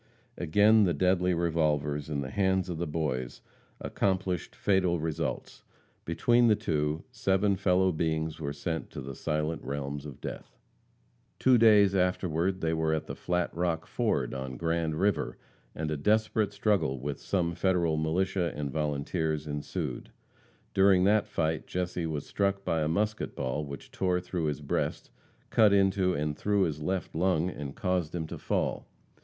Again the deadly revolvers, in the hands of the boys, accomplished fatal results. Between the two, seven fellow beings were sent to the silent realms of death. Two days afterward they were at the Flat Rock Ford, on Grand river, and a desperate struggle with some Federal militia and volunteers ensued. During that fight Jesse was struck by a musket ball which tore through his breast, cut into and through his left lung, and caused him to fall.